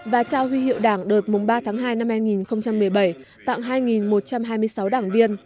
và trao huy hiệu đảng đợt mùng ba tháng hai năm hai nghìn một mươi bảy tạng hai một trăm hai mươi sáu